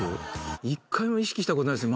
１回も意識したことないです